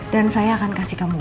dan saya akan kasih kamu uang